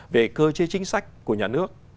về cơ chế chính sách của nhà nước